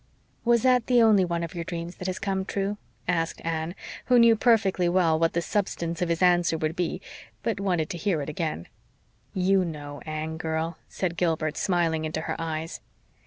"Was that the only one of your dreams that has come true?" asked Anne, who knew perfectly well what the substance of his answer would be, but wanted to hear it again. "YOU know, Anne girl," said Gilbert, smiling into her eyes.